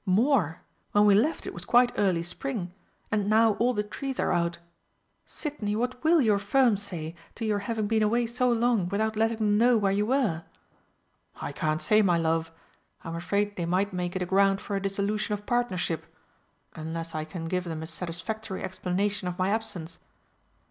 "More. When we left it was quite early Spring and now all the trees are out! Sidney, what will your firm say to your having been away so long without letting them know where you were?" "I can't say, my love. I'm afraid they might make it a ground for a dissolution of partnership unless I can give them a satisfactory explanation of my absence."